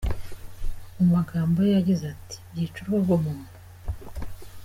Mu magambo ye yagize ati: “byica uruhu rw’umuntu.